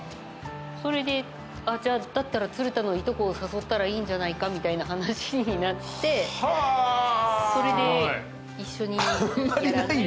それでじゃあだったら鶴田のいとこを誘ったらいいんじゃないかみたいな話になってそれで。